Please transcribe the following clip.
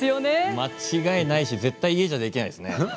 間違いないし絶対に家ではできないですね